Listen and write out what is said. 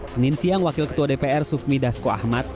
senin siang wakil ketua dpr sufmi dasko ahmad